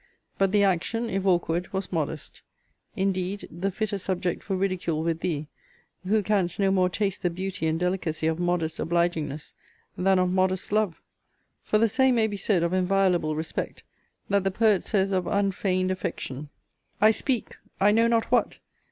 But the action, if awkward, was modest. Indeed, the fitter subject for ridicule with thee; who canst no more taste the beauty and delicacy of modest obligingness than of modest love. For the same may be said of inviolable respect, that the poet says of unfeigned affection, I speak! I know not what!